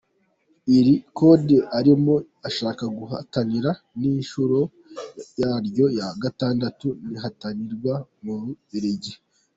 Iri Kode arimo ashaka guhatanira ni inshuro yaryo ya gatandatu rihatanirwa mu Bubiligi.